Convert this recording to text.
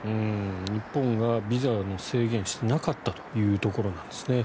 日本がビザの制限をしてなかったというところなんですね。